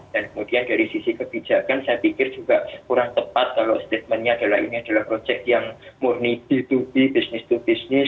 dan kemudian dari sisi kebijakan saya pikir juga kurang tepat kalau statementnya adalah ini adalah proyek yang murni b dua b bisnis dua bisnis